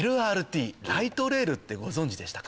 ライトレールってご存じでしたか？